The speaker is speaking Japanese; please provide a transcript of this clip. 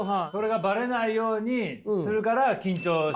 それがバレないようにするから緊張。